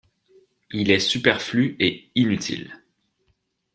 Il est superflu et inutile.